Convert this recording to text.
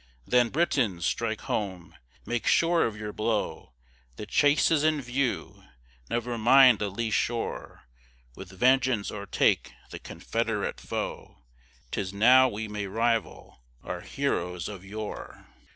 Then, Britons, strike home make sure of your blow: The chase is in view never mind a lea shore. With vengeance o'ertake the confederate foe: 'Tis now we may rival our heroes of yore!